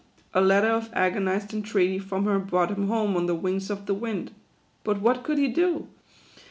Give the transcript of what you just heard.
A letter of agonized entreaty from her brought him home on the wings of the wind. But what could he do